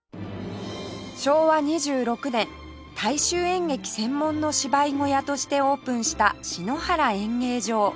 昭和２６年大衆演劇専門の芝居小屋としてオープンした篠原演芸場